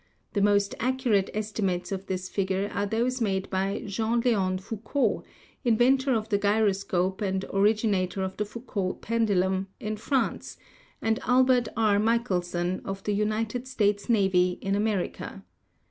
The most accurate estimates of this figure are those made by Jean Leon Fou cault, inventor of the gyroscope and originator of the Foucault pendulum, in France, and Albert R. Michelson, of the United States Navy, in America.